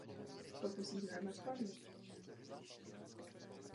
Posléze jej plánuje následovat vlastní smrtí.